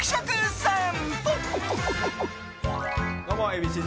どうもＡ．Ｂ．Ｃ‐Ｚ